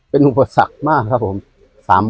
เป็นอุปสรรคมากครับผม